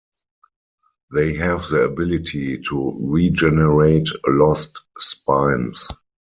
They have the ability to regenerate lost spines.